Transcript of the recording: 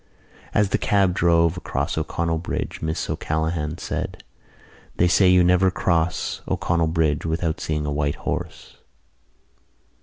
As the cab drove across O'Connell Bridge Miss O'Callaghan said: "They say you never cross O'Connell Bridge without seeing a white horse."